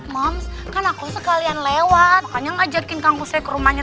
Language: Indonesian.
moms kan aku sekalian lewat makanya ngajakin kang kusoy ke rumahnya